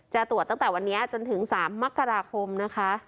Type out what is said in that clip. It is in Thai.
จะตรวจตั้งแต่วันนี้จนถึง๓มกราคมนะคะ